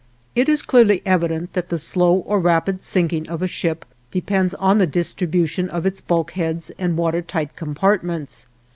It is clearly evident that the slow or rapid sinking of a ship depends on the distribution of its bulkheads and water tight compartments.